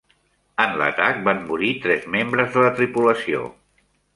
En l'atac van morir tres membres de la tripulació.